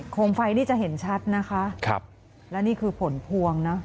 มไฟนี่จะเห็นชัดนะคะครับและนี่คือผลพวงนะ